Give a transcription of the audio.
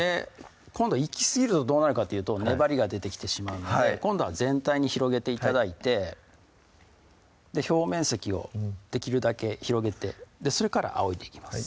今度いきすぎるとどうなるかっていうと粘りが出てきてしまうので今度は全体に広げて頂いて表面積をできるだけ広げてそれからあおいでいきます